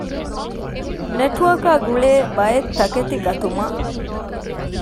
ނެޓްވާރކާގުޅޭ ބައެއްތަކެތި ގަތުމަށް